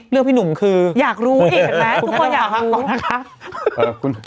เรื่องพี่หนุ่มคืออยากรู้เห็นไหมทุกคนอยากรู้